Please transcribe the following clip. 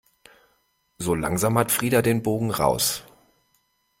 So langsam hat Frida den Bogen raus.